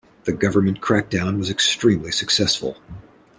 The government crackdown was extremely successful.